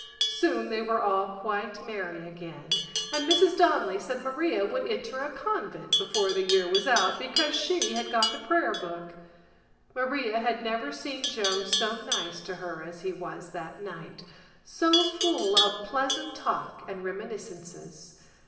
Soon they were all quite merry again and Mrs Donnelly said Maria would enter a convent before the year was out because she had got the prayer book. Maria had never seen Joe so nice to her as he was that night, so full of pleasant talk and reminiscences.